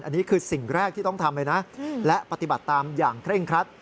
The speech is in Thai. อันนี้คือสิ่งแรกที่ต้องทำเลยนะและปฏิบัติตามอย่างเคร่งครัด